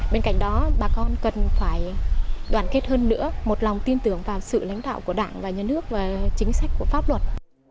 bên cạnh đó bà con cần phải đoàn kết hơn nữa một lòng tin tưởng vào sự lãnh đạo của đảng và nhân ước và chính sách của pháp luật